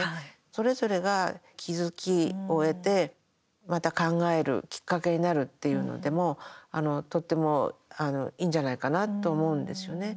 それぞれが気付きを得てまた考えるきっかけになるっていうのでも、とってもいいんじゃないかなと思うんですよね。